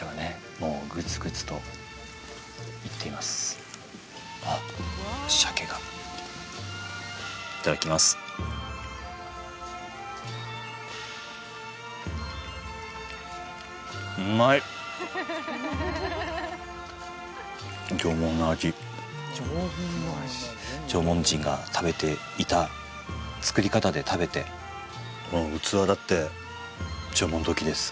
もうグツグツといっていますあっシャケがいただきますうまい縄文人が食べていた作り方で食べてこの器だって縄文土器です